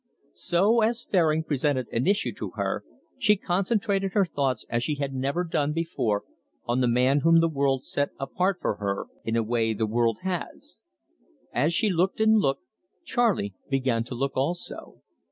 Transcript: So, as Fairing presented an issue to her, she concentrated her thoughts as she had never done before on the man whom the world set apart for her, in a way the world has. As she looked and looked, Charley began to look also.